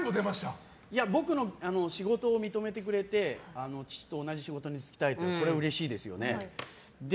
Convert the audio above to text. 僕の仕事を認めてくれて父と同じ仕事に就きたいってうれしいですよね。